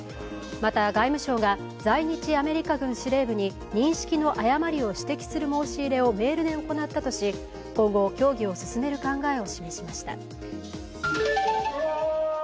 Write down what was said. また、外務省が在日アメリカ軍司令部に認識の誤りを指摘する申し入れをメールで行ったとし、今後、協議を進める考えを示しました。